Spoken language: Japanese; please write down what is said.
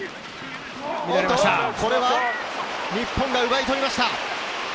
これは日本が奪い取りました。